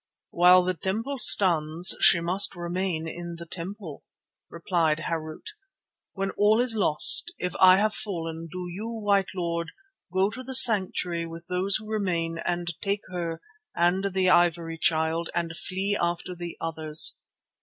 "While the temple stands she must remain in the temple," replied Harût. "But when all is lost, if I have fallen, do you, White Lord, go to the sanctuary with those who remain and take her and the Ivory Child and flee after the others.